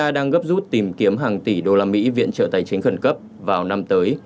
đang gấp rút tìm kiếm hàng tỷ đô la mỹ viện trợ tài chính khẩn cấp vào năm tới